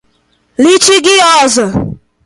litigiosa